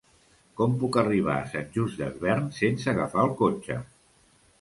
Com puc arribar a Sant Just Desvern sense agafar el cotxe?